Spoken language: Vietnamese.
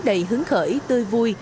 đầy hứng khởi tươi vui